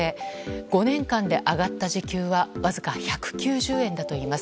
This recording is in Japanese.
５年間で上がった時給はわずか１９０円だといいます。